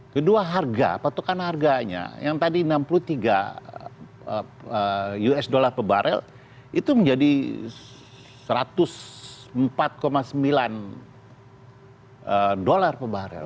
kedua harga patukan harganya yang tadi enam puluh tiga usd pebarel itu menjadi satu ratus empat sembilan usd pebarel